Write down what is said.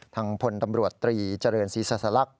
ทางพลตำรวจตรีเจริญศรีษศลักษณ์